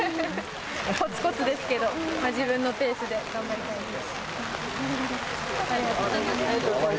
こつこつですけど、自分のペースで頑張りたいです。